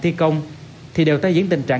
thi công thì đều tái diễn tình trạng